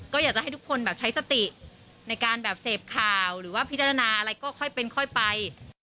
ก็อยากจะให้ทุกคนแบบใช้สติในการแบบเสพข่าวหรือว่าพิจารณาอะไรก็ค่อยเป็นค่อยไป